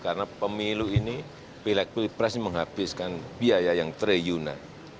karena pemilu ini pilih pilih pres menghabiskan biaya yang teriuna